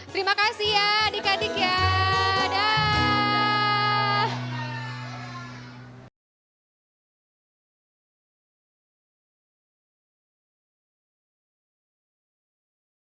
terima kasih ya adik adik ya dadah